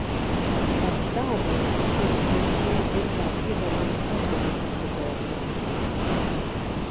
Pat tādiem, kurus līdz šim drīzāk iedalīju paziņu kategorijā.